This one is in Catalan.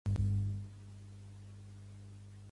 Altres cerquen l'origen al món mític de l'Antic Testament.